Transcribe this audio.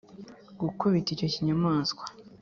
gukubita icyo kinyamaswa